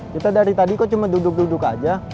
kita dari tadi kok cuma duduk duduk aja